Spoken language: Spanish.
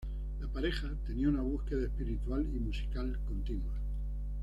La pareja tenía una búsqueda espiritual y musical continua.